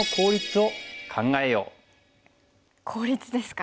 効率ですか。